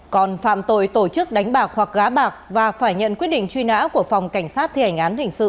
còn phạm tội tổ chức đánh bạc hoặc gá bạc và phải nhận quyết định truy nã của phòng cảnh sát thể hành án hình sự